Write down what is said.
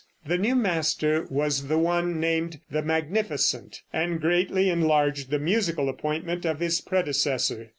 The new master was the one named "The Magnificent," and greatly enlarged the musical appointment of his predecessor.